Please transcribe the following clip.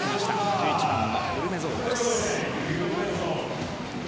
１１番のグルメゾールです。